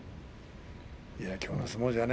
きょうの相撲じゃね